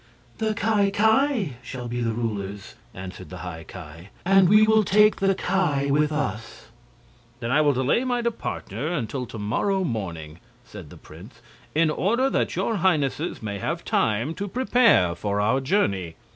"The Ki Ki shall be the rulers," answered the High Ki, "and we will take the Ki with us." "Then I will delay my departure until to morrow morning," said the prince, "in order that your Highnesses may have time to prepare for the journey."